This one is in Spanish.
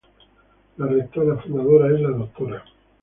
La Rectora Fundadora es la Dra.